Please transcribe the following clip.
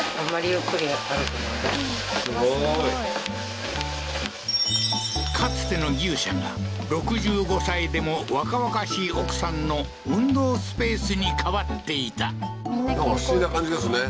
すごいかつての牛舎が６５歳でも若々しい奥さんの運動スペースに変わっていたなんか不思議な感じですね